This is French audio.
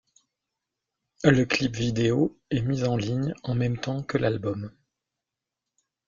Le clip vidéo est mis en ligne en même temps que l’album.